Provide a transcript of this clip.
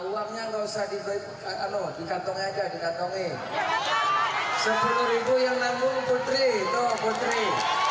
awalnya nggak usah dibebuk atau dikantong aja dikantongi sepuluh yang namun putri putri